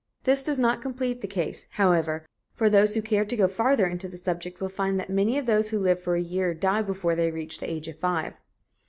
This does not complete the case, however, for those who care to go farther into the subject will find that many of those who live for a year die before they reach the age of five.